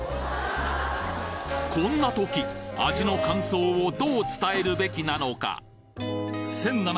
こんな時味の感想をどう伝えるべきなのか？